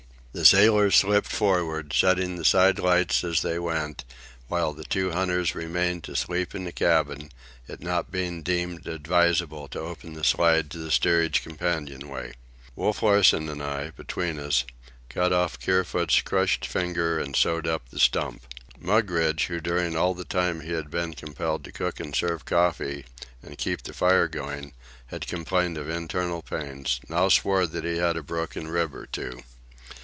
The sailors slipped forward, setting the side lights as they went, while the two hunters remained to sleep in the cabin, it not being deemed advisable to open the slide to the steerage companion way. Wolf Larsen and I, between us, cut off Kerfoot's crushed finger and sewed up the stump. Mugridge, who, during all the time he had been compelled to cook and serve coffee and keep the fire going, had complained of internal pains, now swore that he had a broken rib or two.